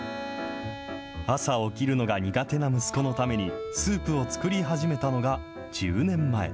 朝起きるのが苦手な息子のために、スープを作り始めたのが１０年前。